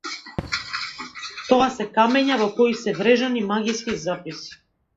Тоа се камења во кои се врежани магиски записи.